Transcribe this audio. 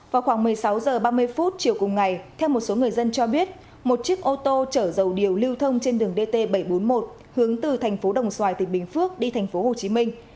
vào khoảng một mươi sáu h ba mươi chiều cùng ngày theo một số người dân cho biết một chiếc ô tô chở dầu điều lưu thông trên đường dt bảy trăm bốn mươi một hướng từ thành phố đồng xoài tỉnh bình phước đi thành phố hồ chí minh